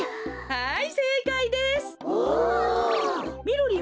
はい。